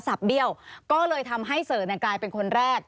เบี้ยวก็เลยทำให้เสิร์ชกลายเป็นคนแรก